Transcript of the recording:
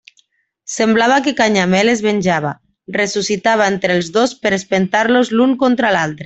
Semblava que Canyamel es venjava, ressuscitava entre els dos per a espentar-los l'un contra l'altre.